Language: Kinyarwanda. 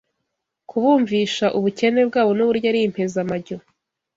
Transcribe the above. kubumvisha ubukene bwabo n’uburyo ari impezamajyo